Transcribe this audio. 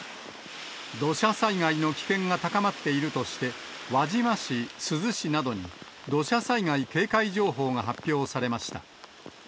土砂災害の危険が高まっているとして、輪島市、珠洲市などに土砂災害警戒情報が発表されました。